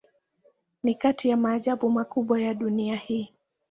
Ni kati ya maajabu makubwa ya dunia hii.